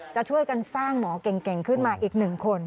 จะช่วยกันสร้างหมอเก่งขึ้นมาอีกหนึ่งคน